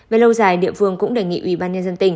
về lâu dài địa phương cũng đề nghị ubnd